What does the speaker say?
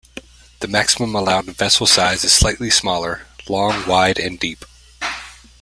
The maximum allowed vessel size is slightly smaller: long, wide, and deep.